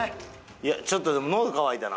いやちょっとでものど渇いたな。